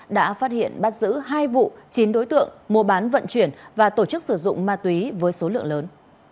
đã phát hiện bắt giữ hai vụ chín đối tượng mua bán vận chuyển và tổ chức sử dụng ma túy với số lượng lớn